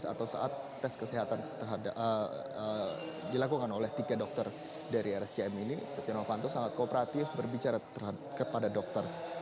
setelah diperiksa oleh hakim dan dilakukan oleh tiga dokter dari rscm ini stiano vanto sangat kooperatif berbicara kepada dokter